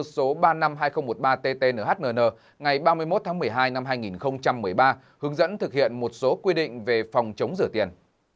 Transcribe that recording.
số ba trăm năm mươi hai nghìn một mươi ba ttnhn ngày ba mươi một tháng một mươi hai năm hai nghìn một mươi ba hướng dẫn thực hiện một số quy định về phòng chống rửa tiền